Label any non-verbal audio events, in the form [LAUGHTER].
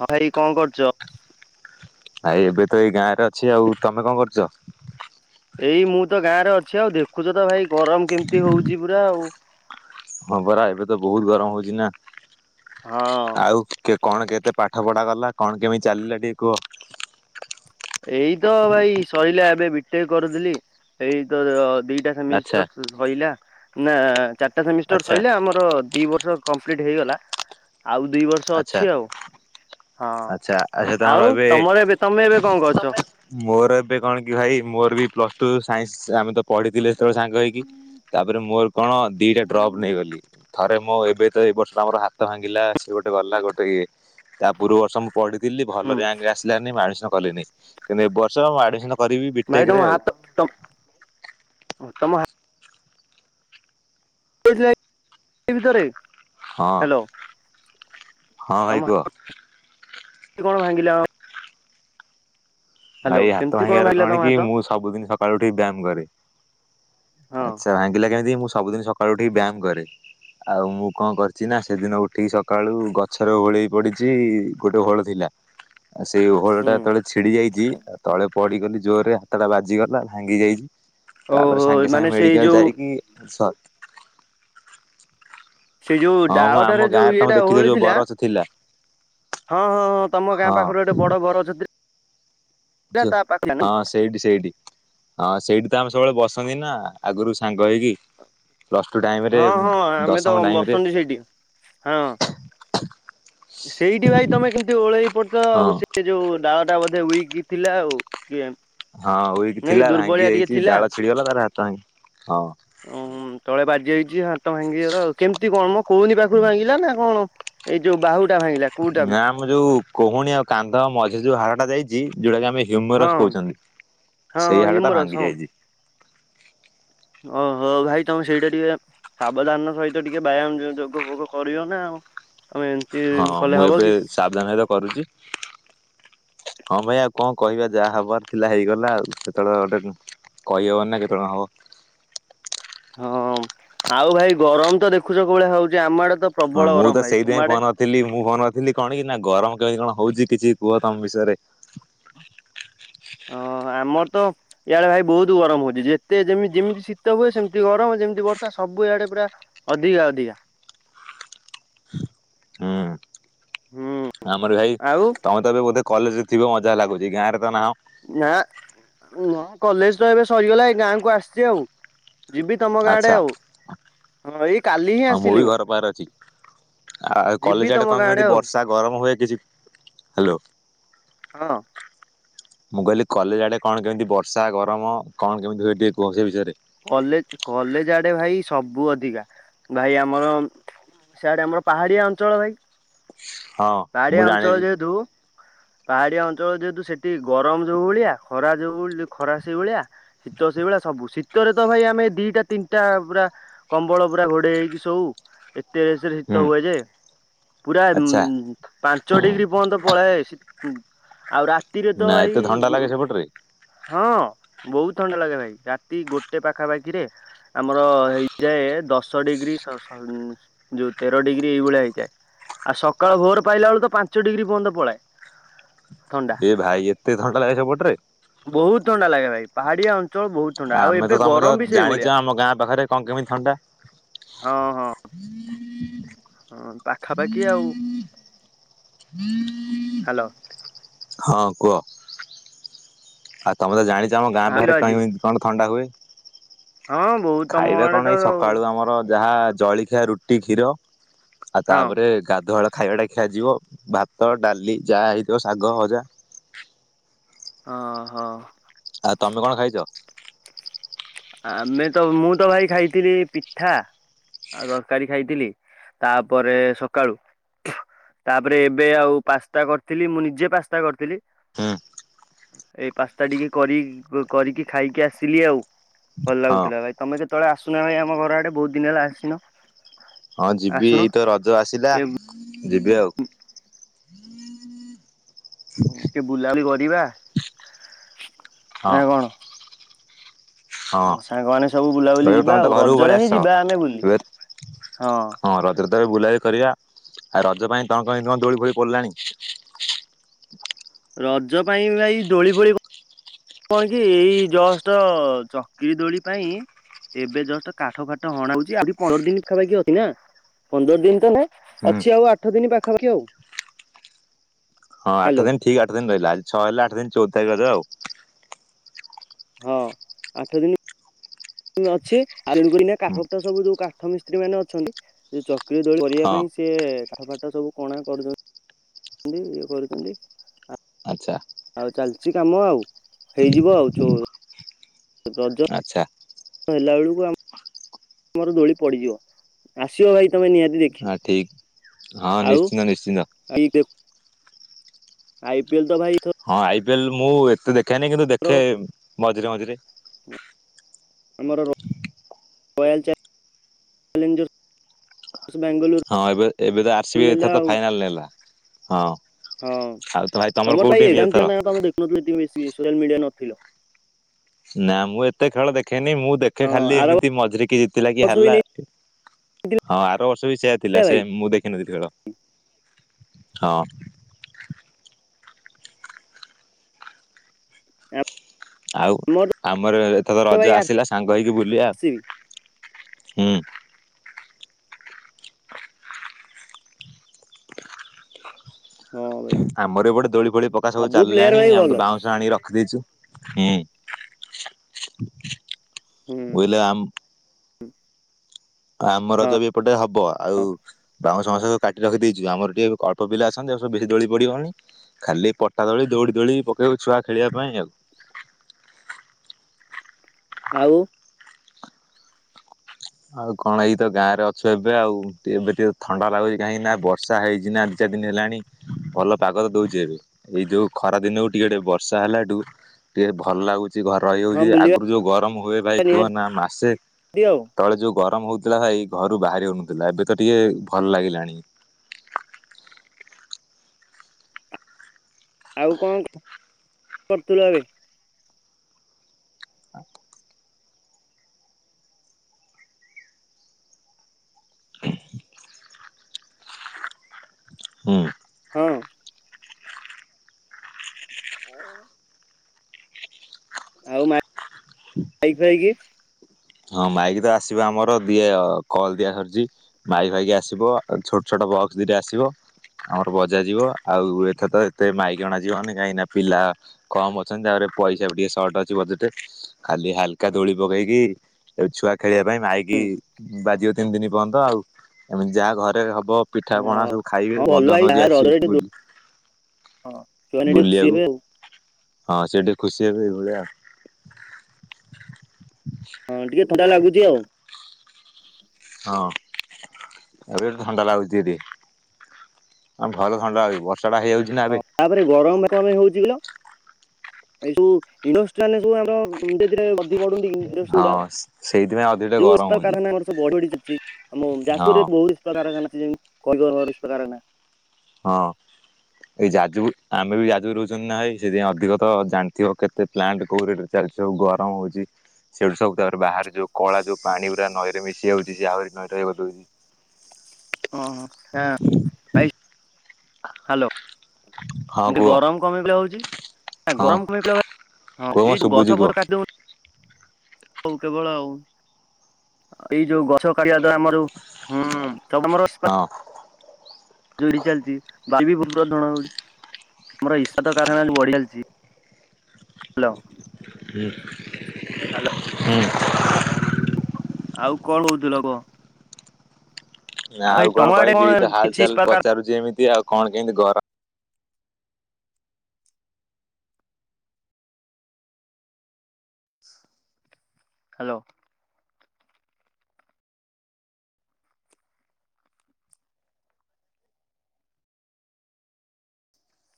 ହଁ ଭାଇ କଣ କରୁଚ? ଆ ଏ ଏବେ ତ ଏଇ ଗାଁ ରେ ଅଛି ଆଉ ତମେ କଣ କରୁଚ? ଏଇ ମୁଁ ତ ଗାଁ ରେ ଅଛି ଆଉ ଦେଖୁଛ ତ ଭାଇ ଗରମ କେମିତି ହଉଛି ପୁରା ଆଉ। ହଁ ପରା ଏବେ ତ ବହୁତ ଗରମ ହଉଛି ନା ହଁ ଆଉ କେ କଣ କେତେ ପାଠ ପଢ଼ା ଗଲା କଣ କେମିତି ଚାଲିଲା ଟିକିଏ କୁହ। ଏଇ ତ ଭାଇ ସଇଲା ଏବେ ବିଟେକ୍ କରୁଥିଲି ଏଇତ ଦିଟା ଆଚ୍ଛା ସେମିଷ୍ଟର। ସଇଲା ନା ଚାରିଟା ସେମିଷ୍ଟର ଆଚ୍ଛା ସଇଲେ ଆମର ଦି ବର୍ଷ କମ୍ପ୍ଲିଟ ହେଇଗଲା। ଆଉ ଦି ବର୍ଷ ଆଚ୍ଛା ଅଛି ଆଉ। ହଁ ଆଚ୍ଛା ଆଚ୍ଛା ତମର ଆଉ ଏବେ ତମର ଏବେ ତମେ ଏବେ କଣ କରୁଚ? ମୋର ଏବେ କଣ କି ଭାଇ ମୋର ବି ପ୍ଲସ ଟୁ ସାଇନ୍ସ ଆମେ ତ ପଢିଥିଲେ ହେତେବେଳେ ସାଙ୍ଗ ହେଇକି। ତାପରେ ମୋର କଣ ଦିଟା ଡ୍ରପ୍ ନେଇଗଲି। ଥରେ ମ ଏବେ ତ ଏଇ ବର୍ଷଟା ଆମର ହାତ ଭାଙ୍ଗିଲା ସେ ଗୋଟେ ଗଲା ଗୋଟେ ଇଏ ତା ପୂର୍ବ ବର୍ଷ ମୁଁ ପଢିଥିଲି ଭଲ ହୁଁ ରିଆଁକେ ଆସିଲାନି ମୁଁ ଆଡ଼ମିସନ କଲିନି। କିନ୍ତୁ ଏ ବର୍ଷର ଆଉ ଆଡ଼ ଭାଇ ତମ ହାତ, ତ ତମ ହା [UNINTELLIGIBLE] ଭିତରେ ହଁ। ହ୍ୟାଲୋ ହଁ ଭାଇ ତମ କୁହ। ହାତ କେମିତି କଣ ଭାଙ୍ଗିଲା ମ? ହ୍ୟାଲୋ ଭାଇ ହାତ କେମିତି ଭାଙ୍ଗିବାର ଭାଙ୍ଗିଲା ତମ କଣ କି, ହାତ? ମୁଁ ସବୁଦିନ ସକାଳୁ ଉଠିକି ବ୍ୟାୟାମ କରେ। ହଁ ଆଛା, ଭାଙ୍ଗିଲା କେମିତି କି, ମୁଁ ସବୁଦିନ ସକାଳୁ ଉଠିକି ବ୍ୟାୟାମ କରେ। ଆଉ ମୁଁ କଣ କରିଛି ନା, ସେଦିନ ଉଠିକି ସକାଳୁ ଗଛର ଓହୋଳେଇ ପଡିଚି, ଗୋଟେ ଓହୋଳ ଥିଲା [INAUDIBLE] ଆଉ ସେଇ ଓହଳଟା ହୁଁ ଯେତେବେଳେ ଛିଡି ଯାଇଚି ତଳେ ପଡିଗଲି ଜୋରରେ ହାତଟା ବାଜିଗଲା, ଭାଙ୍ଗି ଯାଇଚି। ଓହୋ ତାପରେ ସାଙ୍ଗେ ମାନେ ସାଙ୍ଗେ ସେଇ ମେଡିକାଲ ଯୋଉ ଯାଇକି ସ ସେଇ ଯୋଉ ହଁ ମୁଁ ଆମ ଡାଳଟାରେ ଗାଁରେ ଯୋଉ ତମେ ଇଏଟା ଦେଖିଛ ଓହଳି ଯୋଉ ଥିଲା ବରଗଛ ଥିଲା। ହଁ ହଁ ହଁ, ତମ ଗାଁ ହଁ ପାଖରୁ ଗୋଟେ ବଡ ବର ଗଛ ଥି ଯ, ହଁ ସେ ସେଇଠି ସେଇଠି, ହଁ ସେଇଠି ତ ଆମେ ସବୁବେଳେ ବସନ୍ତି ନା, ଆଗରୁ ସାଙ୍ଗ ହେଇକି। ପ୍ଲସ୍ ଟୁ ଟାଇମ ରେ, ହଁ ହଁ ଆମେ ତ ଦଶମ ଟାଇମରେ। ବସନ୍ତି ସେଇଠି ହଁ, ସେଇଠି ଭାଇ ତମେ କେମତି ଓଳେଇ ପଡ଼ି ଚ, ହଁ ହୁସିଆ ଯୋଉ ଡାଳ ଟା ବୋଧେ ଉଇକ୍ ଥିଲା ଆଉ, କିଏ ହଁ ଉଇକି ନାଇଁ ଥିଲା ଦୁର୍ବଳିଆ ଭାଙ୍ଗି ଟିକେ ଯାଇଛି, ଥିଲା। ଡାଳ ଛିଡିଗଲା ତାପରେ ହାତ ଭାଙ୍ଗି ଓହୋ, ତଳେ ବାଜି ଯାଇଚି, ହାତ ଭାଙ୍ଗିଗଲା ଆଉ, କେମିତି କଣ ମୋ କହୁନି ପାଖରୁ ଭାଙ୍ଗିଲା ନା କଣ ଏଇ ଯୋଉ ବାହୁ ଟା ଭାଙ୍ଗିଲା କୋଉଟା ନା ଆମ ଯୋଉ, କୁହୁଣୀ ଆଉ କାନ୍ଧ ମଝିରେ ଯୋଉ ହାଡ଼ଟା ଯାଇଚି, ଯୋଉଟା କି ଆମେ ହ ହଁ ହ୍ୟୁମରସ୍ କହୁଛନ୍ତି, ହଁ ହଁ ସେଇ ହାଡ଼ଟା ହ୍ୟୁମରସ୍ ଭାଙ୍ଗି ହଁ। ଯାଇଚି। ଓହୋ ଭାଇ ତମେ ସେଇଟା ଟିକେ ସାବଧାନର ସହିତ ଟିକେ ବ୍ୟାୟାମ, ଯୋଗ ଫୋଗ କରିବ ନା ଆଉ, ତମେ ହଁ, କଲେ ମୁଁ ହବ ଏବେ କି ସାବଧାନରେ କରୁଚି? ହଁ ଭାଇ ଆଉ କଣ କହିବା, ଯାହା ହବାର ଥିଲା ହେଇଗଲା ଆଉ, ସେତେବେଳେ ଗୋଟେ କହିହବନି ନା କେତେ ବେଳେ ହବ? ହଁ, ଆଉ ଭାଇ ଗରମ ତ ଦେଖୁଛ କଉ ଭଳିଆ ହଉଛି, ଆମ ଆଡେ ତ ହଁ ପ୍ରବଳ ମୁଁ ଗରମ ତ ଭାଇ ତୁମ ସେଇଥିପାଇଁ ଆଡେ? ଫୋନ୍ ଥିଲି, ମୁଁ ଫୋନ୍ କରିଥିଲି କଣ କି, ନା ଗରମ କେମିତି କଣ ହଉଛି କିଛି କୁହ ତମ ବିଷୟରେ? ଅ ଆମର ତ ଇଆଡେ ଭାଇ ବହୁତ ଗରମ ହଉଚି, ଯେତେ ଯେମିତି ଯେମିତି ଶୀତ ହୁଏ, ସେମିତି ଗରମ, ଯେମିତି ବର୍ଷା ସବୁ ଇଆଡ଼େ ପୁରା ଅଧିକା ଅଧିକା। ହୁଁ ହୁଁ ଆମର ଭାଇ, ଆଉ ତମେ ତ ଏବେ ବୋଧେ କଲେଜରେ ଥିବ ମତେ ଯାହା ଲାଗୁଚି, ଗାଁ ରେ ତ ନାହଁ? ନା, ନା କଲେଜ ତ ଏବେ ସରିଗଲା ଏ ଗାଁକୁ ଆସିଛି ଆଉ ଯିବି ତମ ଗାଁ ଆଡେ ଆଚ୍ଛା ଆଉ, ହଁ ଏଇ କାଲି ହିଁ ଆସିଲି ମୁଁ ଆ ଯିବି କଲେଜ ତମ ଆଡେ କଣ ଗାଁ କେମିତି, ଆଉ ବର୍ଷା ଗରମ ହୁଏ କିଛି, ହାଲୋ ହଁ ମୁଁ କହିଲି କଲେଜ ଆଡ଼େ କଣ କେମିତି ବର୍ଷା, ଗରମ, କଣ କେମିତି ହୁଏ ଟିକେ କୁହ ସେ ବିଷୟରେ? କଲେଜ, କଲେଜ ଆଡ଼େ ଭାଇ ସବୁ ଅଧିକା, ଭାଇ ଆମର ସିଆଡେ ଆମର ପାହାଡିଆ ଅଞ୍ଚଳ ଭାଇ ହଁ ମୁଁ ପାହାଡିଆ ଅଞ୍ଚଳ ଜାଣିଛି ଯେହେତୁ ପାହାଡିଆ ଅଞ୍ଚଳ ଯେହେତୁ ସେଠି ଗରମ ଯୋଉ ଭଳିଆ ଖରା ଯୋଉ ଭଳି ଖରା ସେଇଭଳିଆ। ଶୀତ ସେଇଭଳିଆ ସବୁ ଶୀତରେ ତ ଭାଇ ଆମେ ଦିଟା ତିନିଟା ପୁରା କମ୍ବଳ ପୁରା ଘୋଡେଇ ହେଇକି ଶୋଉ ଏତେ ଏତେ ହୁଁ ଶୀତ ହୁଏ ଯେ, ପୁରା ଉଁ ଆଚ୍ଛା ପାଞ୍ଚ ଡିଗ୍ରୀ ପର୍ଯ୍ୟନ୍ତ ପଳାଏ ଶୀ ଆଉ ରାତିରେ ତ ନା ଭାଇ ଏତେ ଥଣ୍ଡା ଗୋ ଲାଗେ ସେପଟରେ ହଁ ବୋହୁତ୍ ଥଣ୍ଡା ଲାଗେ ଭାଇ ରାତି ଗୋଟେ ପାଖାପାଖିରେ ଆମର ହେଇଯାଏ ଦଶ ଡିଗ୍ରୀ ସସ ଯୋଉ ତେର ଡିଗ୍ରୀ ଏଇଭଳିଆ ହେଇଯାଏ। ଆଉ ସକାଳ ଭୋର ପାଇଲା ବେଳ ତ ପାଞ୍ଚ ଡିଗ୍ରୀ ପର୍ଯ୍ୟନ୍ତ ପଳାଏ। ଥଣ୍ଡା। ଏ ଭାଇ ଏତେ ଘଣ୍ଟା ଲାଗେ ସେପଟରେ? ବୋହୁତ୍ ଥଣ୍ଡା ଲାଗେ ଭାଇ। ପାହାଡିଆ ଅଞ୍ଚଳ ବହୁତ୍ ଥଣ୍ଡା। ଆଉ ଆମେ ତ ଏବେ ତମେ ତ ଗରମ ବି ଜାଣିଛ ସେଇଭଳିଆ। ଆମ ଗାଁ ପାଖରେ କଣ କେମିତି ଥଣ୍ଡା ହଁ ହଁ। ହଁ ପାଖାପାଖି ଆଉ। ହାଲୋ ହଁ କୁହ। ତମେ ତ ଜାଣିଛ ଆମ ଗାଁ ଆସିଲ ପାଖରେ ଆଜି କେମିତି କଣ ଥଣ୍ଡା ହୁଏ। ହଁ ବହୁତ ତମ ଖାଇବା ଆଡେ ତ କଣ, ଏଇ ସକାଳୁ ଆମର ଯାହା ଜଳି ଖିଆ ରୁଟି କ୍ଷୀର, ଆଉ ହଁ ତାପରେ ଗାଧୁଆ ବେଳ ଖାଇବାଟା ଖିଆଯିବ ଭାତ, ଡାଲି ଯାହା ହେଇଥିବ ଶାଗଭଜା ଅ ହଁ। ଆଉ ତମେ କଣ ଖାଇଚ? ଆମେ ତ ମୁଁ ତ ଭାଇ ଖାଇଥିଲି ପିଠା ଆଉ ତରକାରୀ ଖାଇଥିଲି। ତାପରେ ସକାଳୁ ତାପରେ ଏବେ ଆଉ ପାସ୍ତା କରିଥିଲି, ମୁଁ ନିଜେ ପାସ୍ତା କରିଥିଲି‌। ହୁଁ ଏ ପାସ୍ତା ଟିକେ କରିକି କରିକି ଖାଇକି ଆସିଲି ଆଉ। ଭଲ ହଁ ଲାଗୁଥିଲା। ଭାଇ ତମେ କେତେବେଳେ ଆସୁନ ଭାଇ ଆମ ଘର ଆଡେ ବୋହୁତ୍ ଦିନ ହେଲା ଆସିନ। ହଁ ଯିବି ଆସୁନ ଏଇ ତ ରଜ ଆସିଲା ଯିବି ଆଉ। ଟିକେ ବୁଲାବୁଲି କରିବା ହଁ ନା କଣ। ହଁ ସାଙ୍ଗମାନେ ସବୁ ବୁଲାବୁଲି ରଜ ଯିବା ତମେ ତ ଆଉ ଘରକୁ ପଳେଇ ରଜରେ ହିଁ ଆସ ଯିବା ଆମେ ବୁଲି? ଏବେ ହଁ। ହଁ ରଜରେ ତେବେ ବୁଲାବୁଲି କରିବା। ଆଉ ରଜ ପାଇଁ ତମେ କଣ ଦୋଳି ଫୋଳି ପଡ଼ିଲାଣି? ରଜ ପାଇଁ ଭାଇ ଦୋଳି ଫୋଳି କଣ କି ଏଇ ଜଷ୍ଟ୍ ଚକିରି ଦୋଳି ପାଇଁ ଏବେ ଜଷ୍ଟ୍ କାଠ ଫାଠ ହଣା ହଉଛି ଆହୁରି ପନ୍ଦର ଦିନ ପାଖାପାଖି ଅଛି ନା। ପନ୍ଦର ଦିନ ତ ନାଇଁ ହୁଁ ଅଛି ଆଉ ଆଠ ଦିନ ପାଖାପାଖି ଆଉ। ହଁ ଆଠ ହ୍ୟାଲୋ ଦିନ ଠିକ ଆଠ ଦିନ ରହିଲ ଆ ଛଅ ହେଲା ଆଠ ଦ ଚଉଦ ତାରିଖ ଆରେ ଆଉ। ହଁ ଆଠ ଦିନ ଅଛି। ଆଉ ହୁଁ କାଠା ସବୁ ଯୋଉ କାଠ ମିସ୍ତ୍ରୀ ମାନେ ଅଛନ୍ତି ସେ ଚାକ୍ରି ଦୋଳି କରିବା ହଁ ପାଇଁ ସିଏ କାଠ ଫାଟ ସବୁ କଣା କରୁଛନ୍ତି ଇଏ କରୁଛନ୍ତି। ଆଛା। ଆଉ ଚାଲିଛି କାମ ଆଉ ହେଇଯିବ ଆଉ ଯୋ ଦଜ ଆଚ୍ଛା। ହେଲା ବେଳକୁ ଆମ ତମର ଦୋଳି ପଡିଯିବ ଆସିବ ଭାଇ ତମେ ନିହାତି ଦେଖ ହଁ ଠିକ୍ ହଁ ନିଶ୍ଚିନ୍ତ ନିଶ୍ଚିନ୍ତ। [UNINTELLIGIBLE] ଆଇପିଏଲ ତ ଭାଇ ଏଇଥର ହଁ ଆଇ ପି ଏଲ୍ ମୁଁ ଏତେ ଦେଖେନି କିନ୍ତୁ ଏଥର ଦେଖେ ମଝିରେ ମଝିରେ। ଆମର ରୟାଲ [INAUDIBLE] ବାଙ୍ଗାଲୋର୍। ହଁ ଏବେ ଏବେ ତ ଆସୀବି ଏଥର ତ ଫାଇନାଲ୍ ନେଲା ହଁ। ହଁ ଆଉ ତ ଭାଇ ତମର କୋଉ ତ ଟିମ୍ ଏଥର ଥିଲା ନାଇଁ ତମ ଦେଖୁନଥିଲ ଏ ବ ସୋସିଆଲ ମିଡିଆ ନଥିଲ। ନାଁ ମୁଁ ଏତେ ଖେଳ ଦେଖେନି ମୁଁ ଦେଖେ ହଁ ଖାଲି ଆର ଏମିତି ମଝିରେ କି ଜିତିଲା କି ବର୍ଷ ବି ହାରିଲା। ନେଇଥିଲା ହଁ ଆର ବର୍ଷ ବି ସେୟା ଥିଲା ସେ ଭାଇ ମୁଁ ଦେଖିନଥିଲି ଖେଳ ହଁ। ଆମର ଆଉ ଆମର ଏଥେ ତ ରଜ ଆସିଲା ସାଙ୍ଗ ହେଇକି ବୁଲିବା ହୁଁ। ହଁ ଭାଇ ଆମର ଅବାଟେ ଦୋଳି ଫୋଳି ପକା ସବୁ ଚାଲିଲାଣି ଭାଇ ଆମ ଭଲ ତ ବା ଟାଣି ରଖିଦେଇଚୁ ହୁଁ ହୁଁ ବୋଇ ରେଲେ ଆମ ଆଉ ଆମର ହଁ ତ ବି ଏପଟେ ହବ ଆଉ ବାଉଁସ ମସ କାଟି ରଖି ଦେଇଛୁ ଆମର ଟିକେ ଅଳ୍ପ ପିଲା ଆସନ୍ତି ଏ ସବ ଦୋଳି ପଡ଼ିବନି। ଖାଲି ପଟା ଦୋଳି ଦୌଡ଼ି ଦୌଳି ପକେଇବକୁ ଛୁଆ ଖେଳିବା ପାଇଁ ଆଉ। ଆଉ। ଆଉ କଣ ଏଇ ତ ଗାଁ ରେ ଅଛୁ ଏବେ ଆଉ ଏବେ ଟିକେ ଥଣ୍ଡା ଲାଗୁଚି କାହିଁକି ନାଁ ବର୍ଷା ହେଇଛି ନାଁ। ତିନଚାର ଦିନ ହେଲାଣି ଭଲ ପାଗ ଦଉଚି ଏବେ ଏଇ ଯୋଉ ଖରା ଦିନକୁ ଟିକେ ବର୍ଷା ହେଲାଠୁ ଟିକେ ଭଲ ଲାଗୁଚି ଘର ହଁ ହେଇଯାଉଚି ବୁଲିବା ଆଗରୁ ଯୋଉ ଗରମ ହୁଏ ଭାଇ କୁହ ନାଁ ମାସେ ଦି ଆଉ। ତଳେ ଯେଉଁ ଗରମ ହେଉଥିଲା ଭାଇ ଘରୁ ବାହାରି ହେଉନଥିଲା ଏବେ ତ ଟିକେ ଭଲ ଲାଗିଲାଣି। ଆଉ କଣ କରୁଥିଲୁ ଏବେ? ହୁଁ। ହଁ। ଓ। ଆଉ ମାଇକ ଖାଇକି ହଁ ମାଇକି ତ ଆସିବା ଆମର ଦିଏ କଲ୍ ଦିଆସରିଚି। ମାଇକି ଭାଇକି ଆସିବ ଛୋଟ ଛୋଟ ବକ୍ସ ଦିଟା ଆସିବ। ଆମର ବଜା ଯିବ ଆଉ ଏଥେ ତ ଏତେ ମାଇକ ଅଣା ଯିବନି କାହିଁକି ନାଁ ପିଲା କମ୍ ଅଛନ୍ତି ତାପରେ ପଇସା ଟିକେ ସର୍ଟ ଅଛି ବଜେଟରେ ଖାଲି ହାଲକା ଦୋଳି ପକେଇକି ଏ ଛୁଆ ଖେଳିବା ପାଇଁ ମାଇକି ହୁଁ ବାଜିବ ତିନି ଦିନ ପର୍ଯ୍ୟନ୍ତ ଆଉ ଏମତି ଯାହା ଘରେ ହବ ପିଠା ହଁ ପଣା ସବୁ ଖାଇବେ ହଁ ଭଲ ବଦଂହୁ ଭାଇ ବାନ୍ଧବ ଯାହା ରଜରେ ଆସିବେ ଟିକେ ବୁ ହଁ ଛୁଆମା [UNINTELLIGIBLE] ହଁ ସେ ଟିକେ ଖୁସି ହେବେ ଏଇ ଭଳିଆ। ହଁ ଟିକେ ଥଣ୍ଡା ଲାଗୁଚି ଆଉ। ହଁ ଏବେଟ ଥଣ୍ଡା ଲାଗୁଛି ଦୀ ହଁ ଭଲଥଣ୍ଡା ହଉଚି ବର୍ଷା ହେଇଯାଉଚି। ତାପରେ ଗରମ କନ୍ ପାଇଁ ହଉଚି କିଲୋ ଏଇ ସବୁ ଇଣ୍ଡି ମାନେ ସବୁ ଆମରୀରେ ଅଧିକ ବଢୁନ ଇ ଗୁଡା ଆମର ସେଇତି ପାଇଁ ଅ ଯୋଉପା କାରାନ ଆର ସବୁ ବଢଡି ଯଛି ଆମ ହଁ ଯାଜପୁରରେ ବହୁତ୍ କାରଖାନା ଅଛି କହିବକାର ନାଁ। ହଁ। ଏଇ ଯାଜୁ ଆମେ ବି ଯାଜୁ ରହୁଚନ୍ତି ନାଁ ଭାଇ ସେଥିପାଇଁ ଅଧିକ ତ ଜାଣିଥିବ କେତେ ପ୍ଲାଣ୍ଟ କୋଉର ଚାଲିଚି ସବୁ ଗରମ ହଉଚି। ସେଇଠୁ ସବୁ ତାପରେ ବାହାରେ ଯୋଉ କଳା ଯୋଉ ପାଣି ପୁରା ନଈରେ ମିଶି ଯାଉଛି ସେ ଆହୁରି ନଈ [UNINTELLIGIBLE] ଦଉଛି। ଓ ହୋ ହାଁ। ହ୍ୟାଲୋ ହଁ ଏମିତି କୁହ ଗରମ କଣ [UNINTELLIGIBLE] ହଉଚି। ହଁ ଗରମ କଣ ପାଇଁ କହିଲ ହଉଚି ହଁ କୁହ ମ ଏଇ ଯୋଉଁ ଶୁଭୁଛି ଗଛ କୁହ ଫଛ କାଟିଦଉଚ ହଉ କେବଳ ଆଉ ଏଇ ଯୋଉ ଗଛ କାଟିବା ଦ୍ଵାରା ଆମର ହୁଁ ତମର। [UNINTELLIGIBLE] ହଁ। ଚୋରି ଚାଲିଛି ବାଇ ବି ଭ୍ର ଧଣ ହଉଛି ଆମର ଇସା ତ କାରଣ ବଢି ଚାଲିଛି। ହ୍ୟାଲୋ। ହୁଁ ହଁ। ଆଉ କଣ ହଉଥିଲ କହ? ନା ଆଉ ତମ କଣ ଆଡେ କହିବି ଏଇ ତ କିଛି ହାଲଚାଲ ପ୍ରକାର ପଚାରୁଛି ଏମିତି ଆଉ କଣ କେମିତି ଗରମ ହ୍ୟାଲୋ।